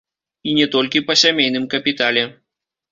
І не толькі па сямейным капітале.